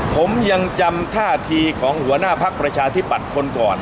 ผมยังจำท่าทีของหัวหน้าภักดิ์ประชาที่ปัดคนก่อน